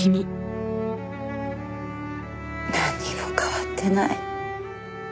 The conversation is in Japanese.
なんにも変わってない。